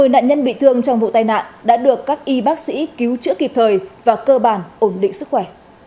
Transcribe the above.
một mươi nạn nhân bị thương trong vụ tai nạn đã được các y bác sĩ cứu chữa kịp thời và cơ bản ổn định sức khỏe